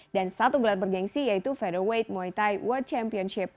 dan satu gelar bergensi yaitu federal weight muay thai world championship